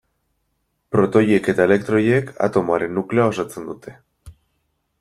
Protoiek eta elektroiek atomoaren nukleoa osatzen dute.